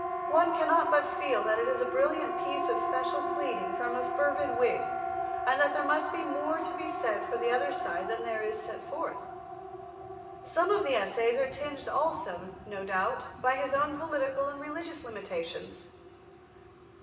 One cannot but feel that it is a brilliant piece of special pleading from a fervid Whig, and that there must be more to be said for the other side than is there set forth. Some of the Essays are tinged also, no doubt, by his own political and religious limitations.